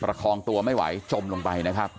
ประคองตัวไม่ไหวจมลงไปนะครับ